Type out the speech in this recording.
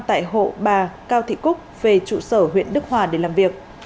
tại hộ bà cao thị cúc về trụ sở huyện đức hòa để làm việc